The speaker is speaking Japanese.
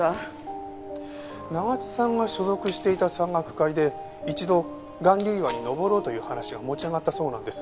長津さんが所属していた山岳会で一度巌流岩に登ろうという話が持ち上がったそうなんです。